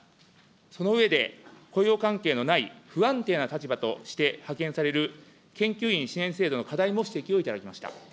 その上で、雇用関係のない不安定な立場として派遣される研究員支援制度の課題も指摘をいただきました。